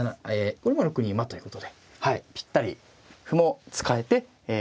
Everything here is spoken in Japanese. これも６二馬ということでぴったり歩も使えて詰み筋に入ると。